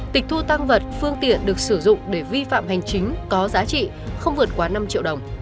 tịch thu tăng vật phương tiện được sử dụng để vi phạm hành chính có giá trị không vượt quá năm triệu đồng